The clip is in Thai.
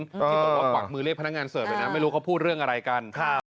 ที่บอกว่ากวักมือเรียกพนักงานเสิร์ฟเลยนะไม่รู้เขาพูดเรื่องอะไรกัน